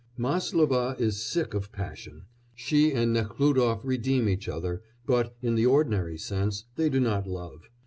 Máslova is sick of passion; she and Nekhlúdof redeem each other, but, in the ordinary sense, they do not love.